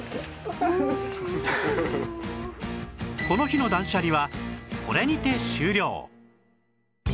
この日の断捨離はこれにて終了